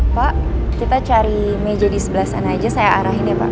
pak kita cari meja di sebelah sana aja saya arahin ya pak